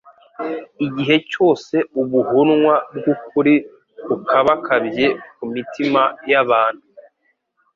Igihe cyose ubuhunwa bw'ukuri bukabakabye ku mitima y'abantu,